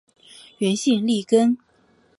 原姓粟根。